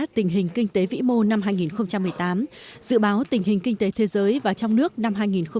tình hình kinh tế vĩ mô năm hai nghìn một mươi tám dự báo tình hình kinh tế thế giới và trong nước năm hai nghìn một mươi chín